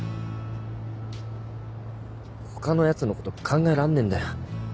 他のやつのこと考えらんねえんだよ。